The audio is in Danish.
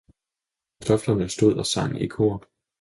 kartoflerne stod og sang kor.